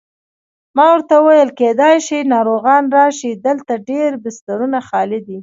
ما ورته وویل: کېدای شي ناروغان راشي، دلته ډېر بسترونه خالي دي.